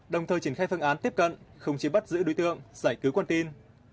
đồng thời triển khai phương án tiếp cận không chỉ bắt giữ đối tượng giải cứu con tin